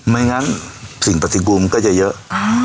ไม่งั้นสิ่งปฏิกุมก็จะเยอะ